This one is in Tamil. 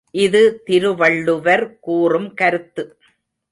இது திருவள்ளுவர் கூறும் கருத்து.